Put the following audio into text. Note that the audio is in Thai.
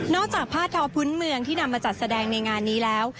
จากผ้าทอพื้นเมืองที่นำมาจัดแสดงในงานนี้แล้ว